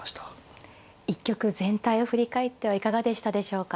一局全体を振り返ってはいかがでしたでしょうか。